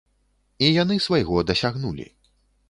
І яны свайго дасягнулі.